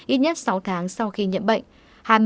ít nhất sáu tháng sau khi nhiễm bệnh